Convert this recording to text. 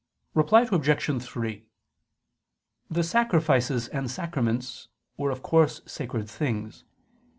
Reply Obj. 3: The sacrifices and sacraments were of course sacred things.